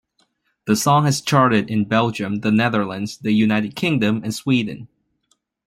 The song has charted in Belgium, the Netherlands, the United Kingdom and Sweden.